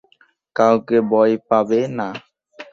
কাউকে ভায় পাবে না।